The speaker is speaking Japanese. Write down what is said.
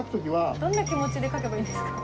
どんな気持ちで描けばいいんですか？